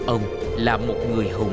ông là một người hùng